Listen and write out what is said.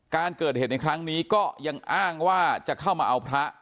การเกิดเหตุในครั้งนี้ก็ยังอ้างว่าจะเข้ามาเอาพระ